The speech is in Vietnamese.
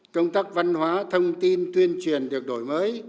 công tác văn hóa thông tin tuyên truyền được đổi mới